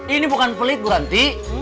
ini bukan pelit guanti